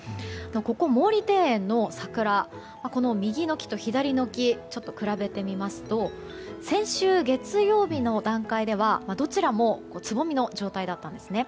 ここ、毛利庭園の桜右の木と左の木をちょっと比べてみますと先週月曜日の段階では、どちらもつぼみの状態だったんですね。